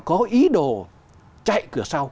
có ý đồ chạy cửa sau